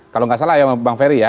kalau nggak salah ya bang ferry ya